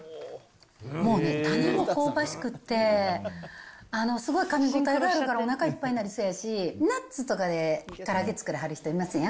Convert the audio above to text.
もうね、種も香ばしくって、すごいかみ応えがあるからおなかいっぱいになりそうやし、ナッツとかでから揚げ作らはる人いますやん。